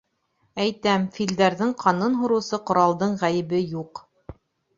— Әйтәм: филдәрҙең ҡанын һурыусы ҡоралдың ғәйебе юҡ.